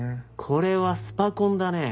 これはスパコンだね。